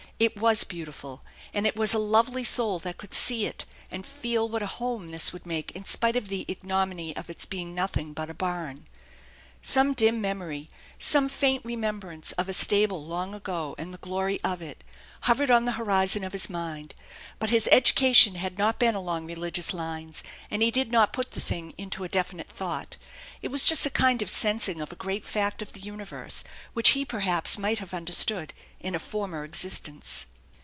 It was beautiful, and it was a lovely soul that could see it and feel what a home this would make in spite of the ignominy of its being nothing but a barn. Some dim memory, some faint remembrance, of a stable long ago, and the glory of it, hovered on the horizon of his mind; but his education had not been along religious lines, and he did not put the thing into a definite thought. It was just a kind of sensing of a great fact of the universe which he perhaps might have understood in a former existence.